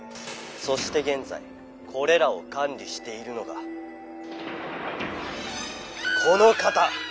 そして現在これらを管理しているのがこの方！